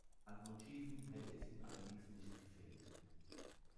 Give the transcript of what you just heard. An Motiven hätte es ihm allerdings nicht gefehlt.